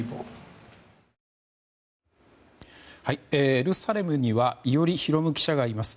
エルサレムには伊従啓記者がいます。